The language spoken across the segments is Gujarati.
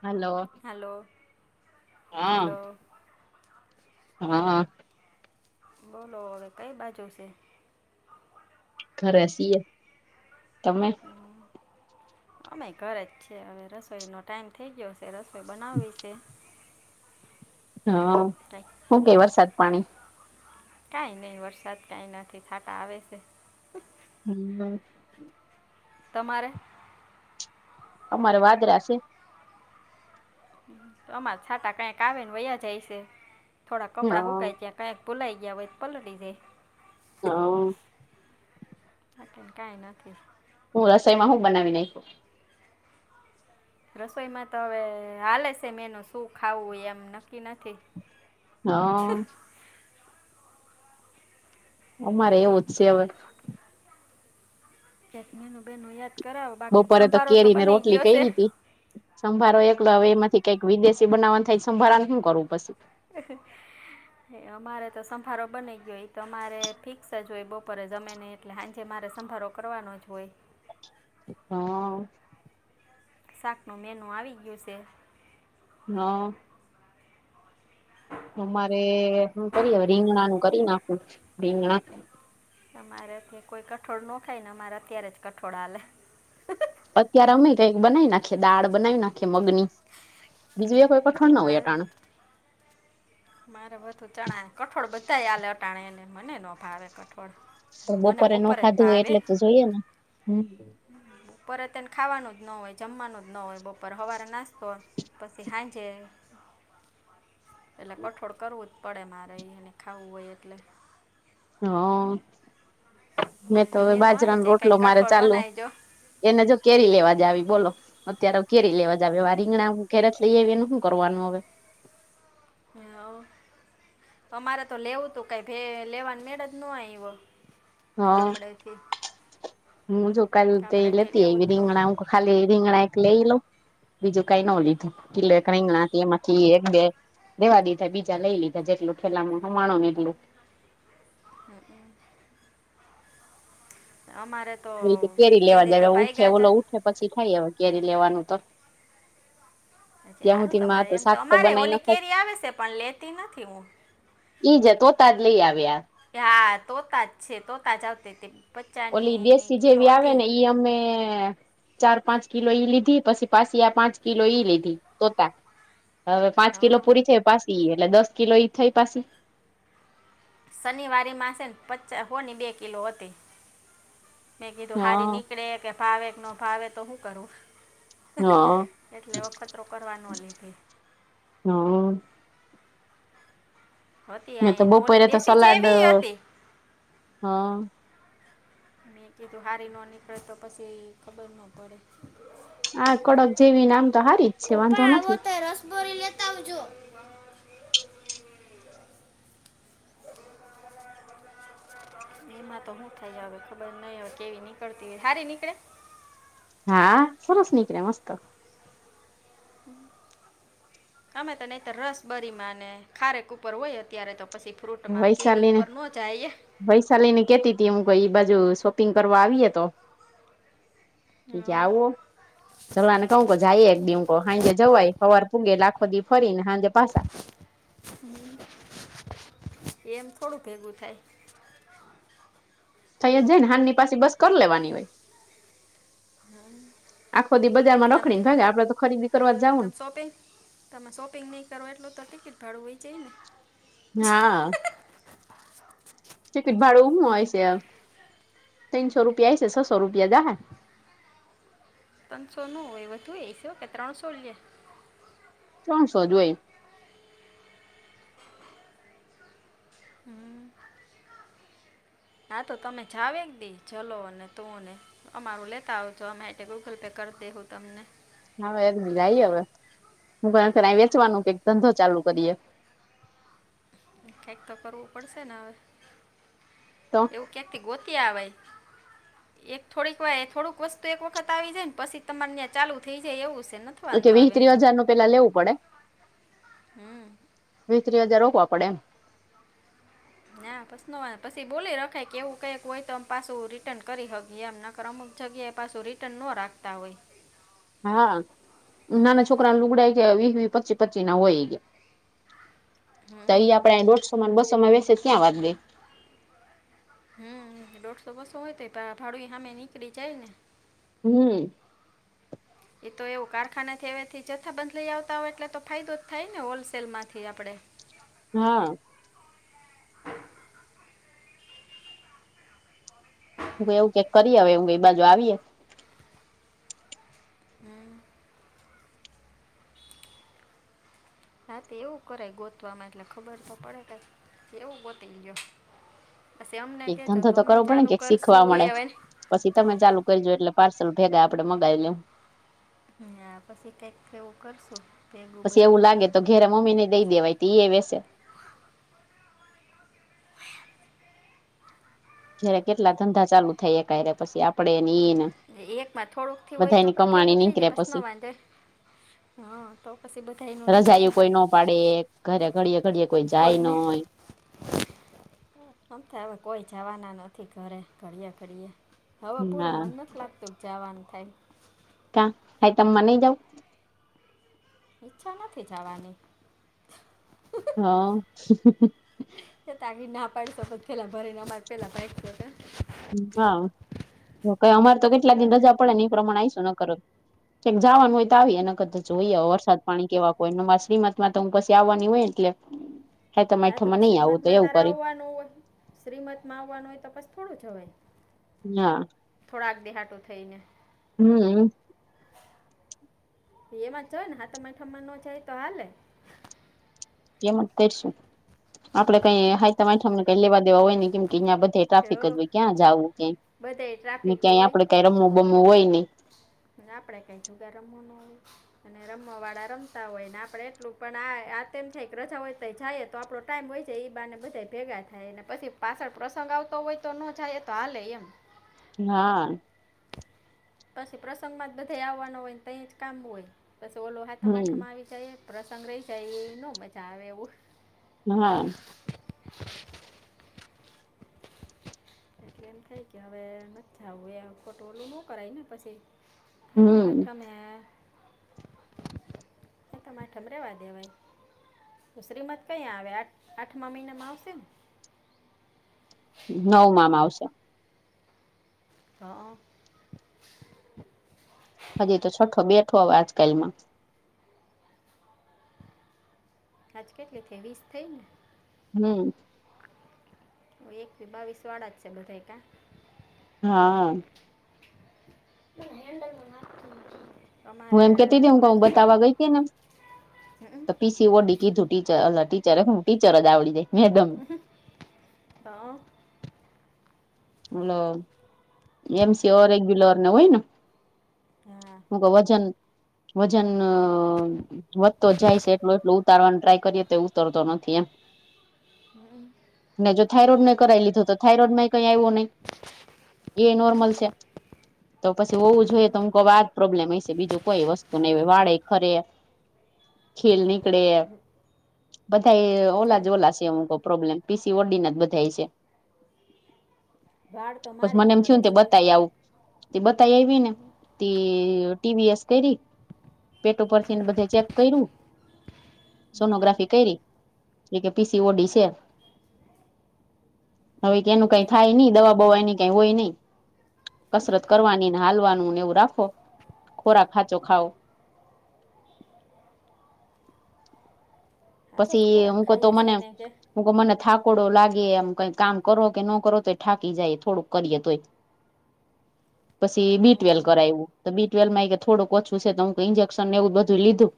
હલો હલો, હા હલો હા. બોલો, હવે કઈ બાજુ છે? ઘરેસીએ, તમે? અમે ઘરે જ છીએ હવે રસોઈનો ટાઈમ થઇ ગયો છે. તે રસોઈ બનાવી છે. હા, હું કે વરસાદ પાણી? કાઈ નઈ વરસાદ કઈ નથી થાટા આવે છે. હમ્મ. તમારે અમારે વાદરા છે. તો અમારા છાટા કાંઈક આવે ને વયા જાય છે થોડાં હ કપડાં હૂકાય ત્યાંક કંઈક ભુલાઈ ગયા વય પલડીડે હા. હાકે કઈ નથી હું રસોઈમાં હું બનાવી નાંખ્યું? રસોઈમાં તો હવે હાલે છે મે એનું શું ખાવું એમ નક્કી નથી. હા. અમારે એવું જ સે હવે. કેક મેનું બહેનનું યાદ કરાવો બાકીન બપોરે સંભારો તો કેરી ને બની રોટલી ગયો સે. કયરી તી સંભારો એકલો હવે એમાંથી કંઈક વિદેશી બનાવવા થાય, સંભારા હું કરવું પસી. [inaudible] હે અમારે તો સંભારો બની ગયો તો ઈ તમારે ફિક્સ જ હોય બપોરે જમેને એટલે હાંજે મારે સંભારો કરવાનો જ હોય. હા. શાક નું મેનુ આવી ગયું સે. હા. તો અમારે હુ કરીએ હવે રીંગણા નું કરી નાખું. રીંગણા તમારે અત્યાં કોઈ કઠોળ નો ખાય ને, અમારે અત્યારે જ કઠોળ હાલે. અત્યારે અમે કાંઈક બનાઈ નાખીએ, દાળ બનાવી નાખીએ મગની. બીજું એકોય પઠણ ન હોય અમારે આટણ મારે બધું ચણા કઠોળ બધા આલે અટાણેને મને નો ભાવે કઠો પણ મને બપરે જ ભાવે જઈએ ને હમ પરત એને ખાવાનું જ ન હોય, જમવાનું જ ન હોય બપોરે. હવાળે નાસ્તો પસી હાંજે એટલે કઠોળ કરવું જ પડે મારે ઈ એને ખાવું હોય એટલે. હા. મેં તો હવે મેનુ આવી બાજરાનો જાય રોટલો કાંઈક મારે કઠોળ ચાલુ બનાવી જો એને જો કેરી લેવા જાવી બોલો. અત્યારે હવે કેરી લેવા જાવી, હવે આ રીંગણા હું ઘેરેથી લઈ આયવી એનું હું કરવાનું હવે? ને હોવ અમારે તો લેવું તું કઈ ભે લેવાની મેળ જ ન આવ્યો હ ગામડેથી હું જોકાલ [unintelligible] ગામડેથી લેવું જ તું રીગણા ખાલી રીંગણા એક લઈ લઉ બીજું કાઈ ન લીધું કીલોએક રીંગણા તેમાંથી એક બે દેવા દીધા બીજા લઈ લીધા જેટલું થેલામા હમાણો ને એટલું હમ. અમારે તો [inaudible] કેરી તે લેવા દી તો જય ઉઠયે ભાગ્યા છે ઓલો ઉઠયે પછી થાય હવે કેરી લેવાનું તો [inaudible] ત્યાં સારું સુધીમાં તમારે એમ તો શાક અમારે બનાવી ઓલી ન ખાય કેરી આવે છે પણ લેતી નથી હું ઈ જતો તા જ લઈ આવ્યા હા તોતાજ છે તોતા જ આવતી તે ઓલી પચાની દેશી કિલો જેવી આવે હતી ને ઈ અમે ચાર પાંચ કિલો ઈ લીધી પછી પાછી આ પાંચ કિલો ઈ લીધી તોતા હવે પાંચ કિલો હા પૂરી થઈ પાછી એટલે દસ કિલો ઈ થઈ પાછી શનિવારી મા છે, ને પચા હોની બે કિલો હતી મેં કીધું હારી હા નીકળે કે ભાવે કે ન ભાવે તો શું કરું હા એટલે વખતરો કરવાનો લીધી હ. હતી મે તો અહીંયા ને ઓલી બપોરે તો દેશી સલાડ જેવી હતી હા મેં કીધું હારી ન નીકળે તો પછી ખબર ન પડે આ કડક જેવી નામ તો સારી જ છે, વાંધો નથી દોરી લેતા આવજો [inaudible] એમાં તો હુ થાય હવે ખબર નઈ હવે કેવી નીકળતી હોય સારી નીકળે? હા સરસ નીકળે મસ્ત અમે તો નહી તો રસ બરી ને ખારેક ઉપર હોય અત્યારે તો પછી ફ્રૂટમાં કેરી ઉપર ન જાએ વૈશાલીની કેતી ત હું કોઈ ઈ બાજુ શોપિંગ કરવા આવીએ તો હં, જાવો ચાલા આને કહું જાય એક બી હાંજે જવાય હવાર પૂગે લાખો દી ફરી ને હાજે પાસા હમ એમ થોડું ભેગું થાય થયા જાય ને હાનની પાસે બસ કર લેવાની હોય આખોધી બજાર માં રખડી ભાગે આપડે તો ખરીદી કરવા જાવું તો પે તમે શોપિંગ નહીં કરો એટલું તો ટિકિટ ભાડું હોય જાય ને હા. ચિકટ ભાડું હુ હોય છે, તીનસો રૂપિયા આય છે છસો રૂપિયા જાહે ત્રચસોનું એ વધું એસયો કે ત્રણસો લે ત્રણસો જોયે હમ. આ તો તમે જાવેકદી ચલો અને તુંને અમારું લેતા આવજો અમે એ ગૂગલ પે કર દેહુ હું તમને હાવે એ જાયે હવે હુંખર વેચવાનો કઈક ધંધો ચાલુ કરીએ ક્યાંક તો કરવું પડશે ને હવે તો એવું ક્યાંક થી ગોતી આવે. એક થોડીક વા થોડુંક વસ્તુ એક વખત આવી જાય ને પછી તમારે ત્યાં ચાલુ થઈ જાય એવું છે ન ઓકે વીહ ત્રી હજાર નું પેલા લેવું પડે વીહ ત્રી હજાર રોકવા પડે એમ ના પસ ન પછી બોલી રખે કે એવું કંઈક હોય તો આમ પાછું રિટર્ન કરી હકી એમ [unintelligible] જગ્યા એ પાછું રિટર્ન નો રાખતા હોય. હા નાના છોકરા લુગડાય વી વી પચી પચી ના હોય. [inaudible] તો અહી આપડે દોઢસો માં બસો માં વસે ત્યાં વાત ગઈ. હમ દોઢસો બસો હોય તો ભાડું સામે નીકળી જાય ને. હમ. એ તો એવું કારખાના થ એવાથી જથ્થા બદ લઈ આવતા હોય એટલે તો ફાયદો જ થાય ને હોલસેલ માંથી આપડે. હા. એવું કઈક કરીએ હવે એ બાજુ આવીએે. હમ. રાતે એવું કરાય ગોતવામાં એટલે ખબર તો પડે એવું ગોતી લીયો. પછી અમને કઈક કેજો ધંધો તો અમે કરવો પડે ચાલુ ને કઈક શીખવા કરશું મળે એ હવે. પછી તમે ચાલુ કરજો એટલે પાર્સલ ભેગા આપડે મગાવી લેવ. હા પછી કઈક એવું કરશું ભેગું પછી બધું. એવું લાગે તો ઘેરે મમ્મી ને દઈ દેવાય એ વેસે. જય્યારે કેટલા ધંધા ચાલુ થાય ક્યારે પછી આપડે ને એઈ ને એક માં થોડુંક થી હોય તો તો ભેગું થઈ જાય નીકળે બસ ન પછી વાંધે. હા તો પછી બધા નું રાજાએ કોઈ ન પાડે. ઘરે ઘડીએ ઘડીએ. કોઈ જાય ન કોઈને હોય. આમ તો હવે કોઈ જવાના નથી ઘરે ઘડીયા ઘડીએ. હવે પૂરું હા મન નથી લાગતું જવાન થાય. કા હાતમાં નઈ જાવો? ઈચ્છા નથી જવાની. હા. તો ના પાડશ પેલા ભરી ને અમારે પેલા ભાગશું કા. હા કઈ અમારે તો કેટલા નક્કી દિન નથી રજા પડે ને એ પ્રમાણે આઈશું ન કર. કઈ જવાનું હોય તો આવી અને કદાચ જોઈએ વરસાદ પાણી કેવા કોઈ મારા શ્રીમત માં તો હું પછી આવવાની હોય એટલે. હાઈતમ નાા તો આઠમમાં બસ નહી આવું શ્રીમત તો માં એવું તારા કર્યું આવવાનું હોય. શ્રીમત માં આવવાનું હોય તો પાસ થોડું જોવાય. [inaudible] થોડાક દી હાટું થઈ ને. હમ. એમાં જ હોય ને હાતમ આઠમાં ન જાય તો હાલે. એમ જ કરીશું આપડે કઈ હાતમ આઠમને કઈ લેવા દેવા હોય ને કેમ કે એ બધે હો ટ્રાફિક જ હોય ક્યાં જવું ક બધે ટ્રાફિક ક્યાંય હોય આપડે કઈ રમવું બમવું હોય નઈ. અને આપડે કઈ જુગાર રમવો નો હોય અને રમવા વાળા રમતા હોય ને આપડે એટલું પણ આ થાય રજા હોય જાયએ તો આપડો ટાઈમ હોય છે એ બ ને બધા ભેગા થાય ને પછી પાછળ પ્રસંગ આવતો હોય તો ન જાય એ તો હાલે એમ. હા. પછી પ્રસંગ માં જ બધા આવવાના હોય ને તઈ જ કામ હોય પછી ઓલો હાતમ હમ આઠમાં આવી જ પ્રસંગ રહી જાય એ ન મજા આવે એવું. હા. એટલે એમ થાય કે હવે નથ જાવું એમ ખોટું ઓલું ને કરાય ને પછી? સાતમ હમ આઠમ એ આય સાતમ આઠમ રેવા દેવાય. તો શ્રીમત કંયા આવે આઠ આઠમા મહિનામાં આવશે ને? નવામાં આવશે. હા. હજી તો છઠો બેઠો આજકાલમાં. હાજ કેટલી થઈ વીસ થઈ ને. હમ્મ. હ એકી બાવીસ વાળા જ છે બધાઈ કા? હા. હેન્ડલમાં ના [unintelligible] હું એમ કેતી તી હું કવ બતાવા ગઈ તી ને હં, હં. તો પીછ તી વડી કીધું ટીચર અલા ટીચર એ ટીચર અજ જાય મેડમ હમ્મ હઅ. હલો એમ સી ઓર એ રેગ્યુલર ને હોય ને? હું ક વજન વજન વધતો જ જાય છે એટલું એટલું ઉતારવાનું ટ્રાય કરીએ તો ઉતરતો નથી એમ. [inaudible] હમ્મ. ને જો થાયરોડ ને કરાઈ લીધો તો થાઈરોઈડ કઈ આઈવો ની એ એ નોર્મલ છે. તો પછી હોવું જોઈએ તો હું કઉ આજ પ્રોબ્લેમ હશે બીજું કોઈ વસ્તુ નઈ વાળે ખરે [inaudible] ખીલ નીકડે બધા એ ઓલા જ જો ઓલા છે હું કો પ્રોબ્લેમ પી સી ઓ ડીના જ બધાઈ છે. વાળ તો બસ મારે મને એમ થયું ખરે ને કે છે બતાય આવું. તે બતાય આઈવી ને તે ટી વી એસ કઇરી. પેટ ઉપરથી ને બધેઈ ચેક કઇરુ. સોનોગ્રાફી કઈરી જે કે પી સી ઓ ડી છે. હવે કે તો એનું એને કાઈ થાય કીધું ની દવા બવા એની કાઈ હોય ની. કસરત કરવાની ને હાલવાનું ને એવું રાખો ખોરાક હાચો ખાઓ. સાચો જ પછી ખોરાક હું કોતો ખાઈએ છે મને એને કે હું કો મને થાકોડો લાગે એમ કઈ કામ કરો કે ન કરો તોઈ થાકી જાય થોડુંક કરીએ તોય. [inaudible] પછી બી ટ્વેલ હં. કરાઇવું તો બી ટ્વેલ માં ઇ કે થોડુંક ઓછું છે તો હું ઇન્જેક્શન એવું બધું લીધું.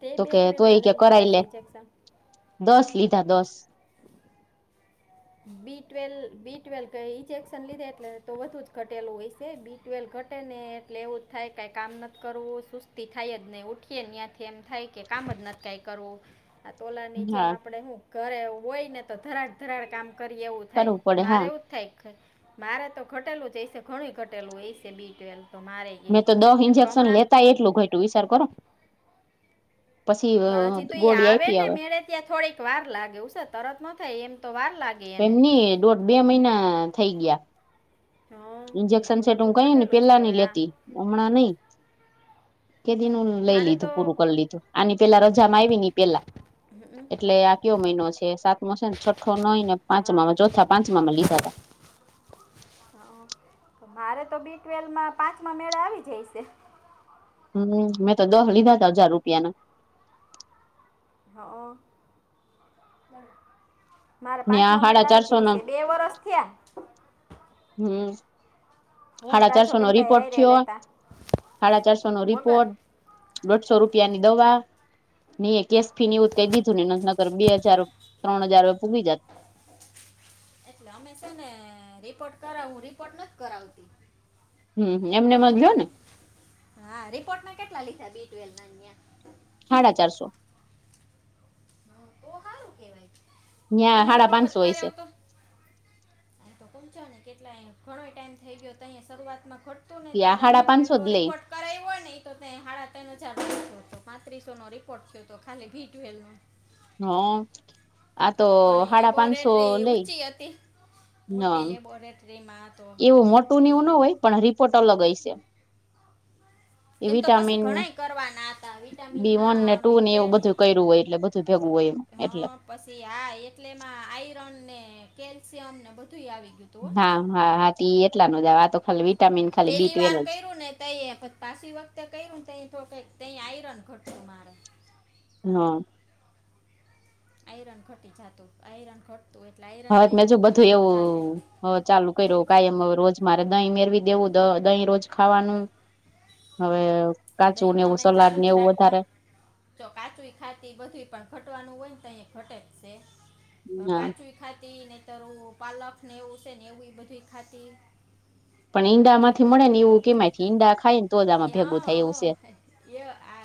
તે તો બે કે તોય ટ્વેલ્વના ઈ કે લઈ લીધા કરાઈ લે, છે ઇન્જેક્શન દસ લીધા દસ! બી ટ્વેલ બી ટ્વેલ ક ઇન્જેક્શન લીધે એટલે તો વધુ જ ઘટેલું હોઇસે બી ટ્વેલ ઘટે ને એટલે એવું જ થાય કાંઈ કામ નથ કરવું, સુસ્તી થાય જ નઈ ઉઠી કે ન્યાથી એમ થાય કે કામ અ જ નથ કાઈ કરવું. આ તોલા ની જેમ હા આપડે હું ઘરે હોય ને તો ધરાડ ધરાડ કામ કરી એવું કરવું થાય. પડે હા મારે એવું જ થાય મારે તો ઘટેલું હૈસે ઘણુંઈ ઘટેલું એ છે બી ટ્વેવ તો મારે એ મેં તો દહ કેમ કે ઇન્જેક્શન હમણાં લેતાય એટલું ઘઇટું વિચાર કરો? પસી ગોળી આઇપી હવે. ત્યા થોડીક વાર લાગે ઉસા તરત ન થાય એમ તો વાર લા એમ ની દોઢ બે મહિના થઈ ગ્યા. હા ઓય, ઇન્જેક્શન તો સેટ તો હું કહી ને ઘટેલું જ પેલા ની કહેવાય આ લેતી, હમણાં નહી. કે દી નું લઈ મારે તો લીધું પૂરું કર લીધું આની પેલા રજામાં આઇવી ની ઈ પેલા. હમ્મ. ક્યો મહિનો છે સાતમો છે ને છઠ્ઠો નોઈને હા પાંચમામાં ચોથા પાંચમામાં લીધા તા. અહં. તો મારે તો બી ટ્વેલમાં પાંચમાં મેળે આવી જાય સે. હમ્મ. મેં તો દહ લીધા તા હજાર રૂપિયા ના. હઅ. મારે ને આ પાંચમા હાડા મેળ આવી ચારસો જાય ના છે બે વરસ થ્યા. હમ્મ. હું હાડા ચારસોનો રાજોબેનભાઈ રિપોર્ટ હારે થ્યો લેતા હાડા ચારસોનો વગર રિપોર્ટ. દોઢસો રૂપિયા ની દવા, ને ઈ એ કેશ ફી ને એવું ત કાંઈ દીધું નહીં, નક નકર બે હજાર ત્રણ હજાર એ પૂગી જાત. એટલે અમે છે ને રિપોર્ટ કરાવું રિપોર્ટ નથ કરાવતી. હમ્મ એમને તો એમજ લ્યો ને. હા રિપોર્ટમાં કેટલા લીધા બી ટ્વેલ્વના ન્યાં. હાડા ચારસો. તો હારુ કેવાય ત્યાં અમે એક હાડા વખત પાંચસો હોય કર્યો તો એન તો કુંચોને કેટલાય ઘણોય ટાઈમ થઈ ગયો તો અહીયા શરૂઆતમાં ખોટ હતું ને છે આ ત્યારે અમને હાડા એ પાંચસો પહેલો જ લઈ રિપોર્ટ કરાઈવો ને ઇ તો તે હાડા તૈન હજારનો થિયો તો પાંત્રીસો નો રિપોર્ટ થયો તો ખાલી બી ટ્વેલ્વ નો. હ આ તો હાડા ડા પાંચસો લેય. મોટી હતી. મોટી લેબોરેટરીમાં. તો એવું મોટું ને એ એવું ન હોય પણ રિપોર્ટ અલગ હયશે. એ એમ તો પછી વિટામિન ઘણાય કરવાના હતા બી વન ને વિટામિનના ટુ ને બીટવે એવું બધું કરું હોય એટલે બધું ભેગવું હોય એ. એટલે. પસી હા એટલે એમાં આયરન ને કેલ્શિયમ ને બધું આવી ગીયું. હા-હા-હા તી એટલા ન જ આ તો ખાલી વી પેલી વાર કર્યું ને તઈ પાછી વખતે કર્યું એતો કઇ તઇ આઈરન ઘટતુ મારે. ના. આયરન ઘટી જતું આયરન ઘટતું એટલે હા હવે આયરનમાં મેં જો એવી બધું તકલીફ એવું થાતી. હવે ચાલુ કર્યો કાયમ હવે રોજ મારે દહીં મેળવી દેવું દ દહીં રોજ ખાવાનું. હવે કાચું દહીં ને તો એવું અમે સલાડ ચાલુ ને જ એવું રાખતા વધારે જો કાચુંઇ ખાતી બધુંઇ પણ ઘટવાનું હોય ને તઇ અહી ઘટે જ છે હા કાચું ખાતી ને નહિતર હું પાલકને એવું છે ને એવી બધી ખાતી. પણ ઈંડા માંથી મળે ને એવું કેમાંય ઈંડા ખાય ને તો જ આમાં એ હા ભેગું થાય એવું સે. હા, એ આ